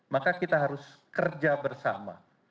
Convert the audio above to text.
maka kita harus kerja bersama